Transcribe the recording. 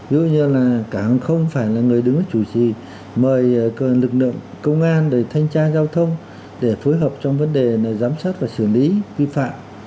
ví dụ như là cảng không phải là người đứng chủ trì mời lực lượng công an thanh tra giao thông để phối hợp trong vấn đề giám sát và xử lý vi phạm